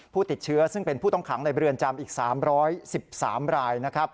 ผู้ติดเชื้อซึ่งเป็นผู้ต้องขังในเรือนจำอีก๓๑๓ราย